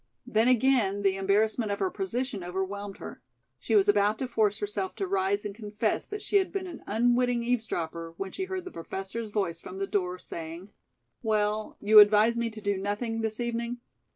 Then again the embarrassment of her position overwhelmed her. She was about to force herself to rise and confess that she had been an unwitting eavesdropper when she heard the Professor's voice from the door saying: "Well, you advise me to do nothing this evening?